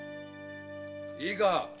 いいか！